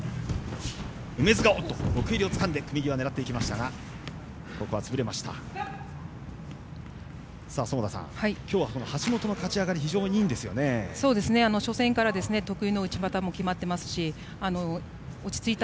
梅津、奥襟をつかんで組み際、狙っていきましたがここは潰れました。